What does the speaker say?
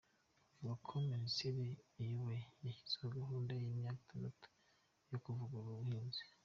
Avuga ko Minisiteri ayoboye yashyizeho gahunda y’ imyaka itandatu yo kuvugurura ubuhinzi.